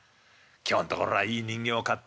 今日んところはいい人形買って。